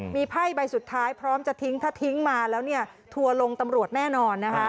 มีไพ่ใบสุดท้ายพร้อมจะทิ้งถ้าทิ้งมาแล้วถั่วลงตำรวจแน่นอน